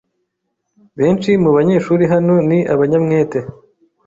Benshi mubanyeshuri hano ni abanyamwete.